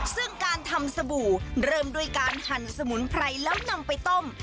ซึ่งการทำสบู่เริ่มด้วยการหั่นสมุนไพรแล้วนำไปต้ม